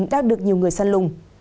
đã được nhiều người săn lùng